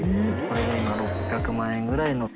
海譴６００万円ぐらいの。